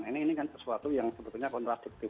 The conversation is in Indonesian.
ini kan sesuatu yang sebetulnya kontradiktif